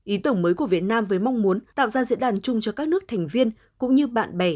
ý tổng mới của việt nam với mong muốn tạo ra diễn đàn chung cho các nước thành viên cũng như bạn bè